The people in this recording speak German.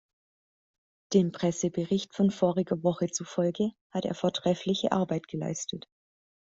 Dem Pressebericht von voriger Woche zufolge hat er vortreffliche Arbeit geleistet.